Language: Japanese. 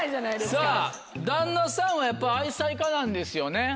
さぁ旦那さんはやっぱ愛妻家なんですよね。